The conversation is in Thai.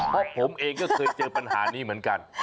เพราะผมเองก็เคยเจอปัญหานี้เหมือนกัน